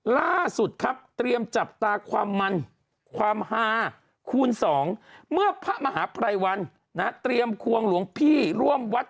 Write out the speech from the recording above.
ล่าสุดครับเตรียมจับตาความมันความฮาคูณสองเมื่อพระมหาภัยวันเตรียมควงหลวงพี่ร่วมวัด